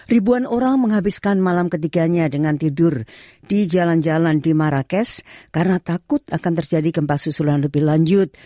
ribuan orang menghabiskan malam ketiganya dengan tidur di jalan jalan di marrakesh karena takut akan terjadi gempa susulan lebih lanjut